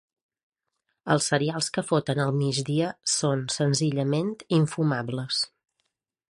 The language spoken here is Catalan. Els serials que foten al migdia són senzillament infumables.